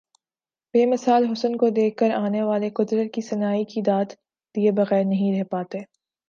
بے مثال حسن کو دیکھ کر آنے والے قدرت کی صناعی کی داد دئے بغیر نہیں رہ پاتے ۔